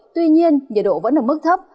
tuy nhiên nhiệt độ vẫn ở mức thấp